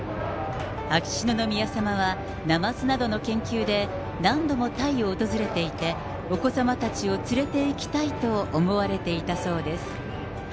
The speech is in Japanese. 秋篠宮さまはナマズなどの研究で何度もタイを訪れていて、お子さまたちを連れていきたいと思われていたそうです。